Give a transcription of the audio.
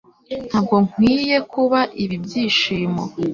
Ntabwo nkwiriye kuba ibi byishimo